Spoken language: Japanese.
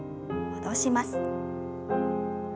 戻します。